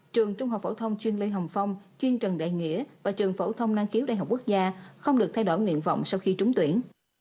trường trung học phổ thông chuyên lý hồng phong chuyên trần đại nghĩa và trường phổ thông năng kiếu đhq không được thay đổi nguyện vọng sau khi trúng tuyển